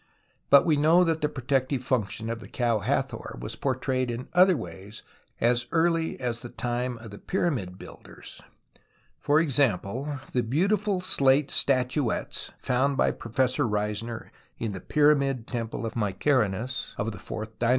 But we know that the protective GETTING TO HEAVEN 105 function of the Cow Hatlior was portrayed in other ways as early as the time of the Pyramid builders (for example, the beautiful slate statuettes found by Professor Reisner in the Pyramid Temple of Mykerinus of the fourth Fig.